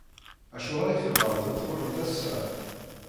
Acuɣer i tebɣamt ad tṛuḥemt ass-a?